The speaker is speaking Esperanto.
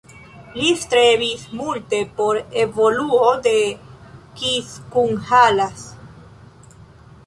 Li strebis multe por evoluo de Kiskunhalas.